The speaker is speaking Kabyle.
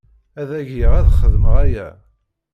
Ad agiɣ ad xedmeɣ aya.